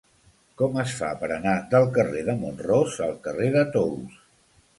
Com es fa per anar del carrer de Mont-ros al carrer de Tous?